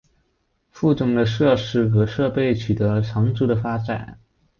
附中的设施和设备取得了长足的发展。